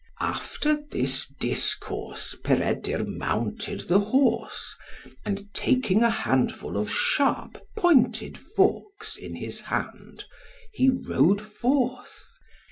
After this discourse, Peredur mounted the horse, and taking a handful of sharp pointed forks in his hand, he rode forth.